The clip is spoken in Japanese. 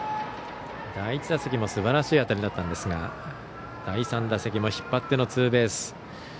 第１打席もすばらしい当たりだったんですが第３打席も引っ張ってのツーベース。